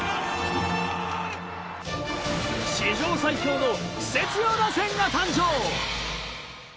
史上最強のクセ強打線が誕生。